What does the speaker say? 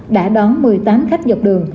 đã đón một mươi tám khách dọc đường